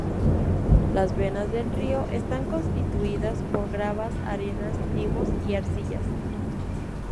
Las venas del río están constituidas por gravas, arenas, limos y arcillas.